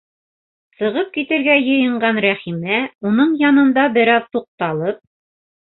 Сығып китергә йыйынған Рәхимә, уның янында бер аҙ туҡталып.